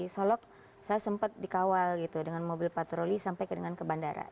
solok saya sempat dikawal gitu dengan mobil patroli sampai dengan ke bandara